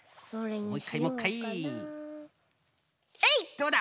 どうだ？